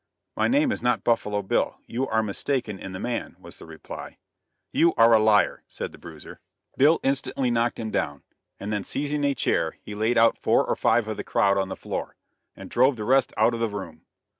"My name is not Buffalo Bill; you are mistaken in the man," was the reply. "You are a liar!" said the bruiser. Bill instantly knocked him down, and then seizing a chair he laid out four or five of the crowd on the floor, and drove the rest out of the room.